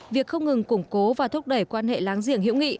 việc không ngừng củng cố và thúc đẩy quan hệ láng giềng hữu nghị